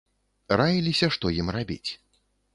Раіліся, што ім рабіць.